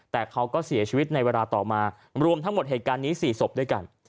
แต่เขาก็เสียชีวิตในเวลาต่อมารวมทั้งหมดเหตุการณ์นี้๔ศพด้วยกัน